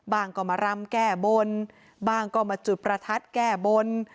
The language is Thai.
ก็มารำแก้บนบ้างก็มาจุดประทัดแก้บน